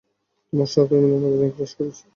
তোমার সহকর্মীরা নভোযান ক্র্যাশ করেছে।